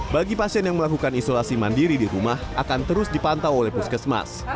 bagi pasien yang melakukan isolasi mandiri di rumah akan terus dipantau oleh puskesmas